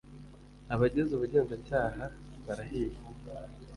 abagize ubugenzacyaha barahiye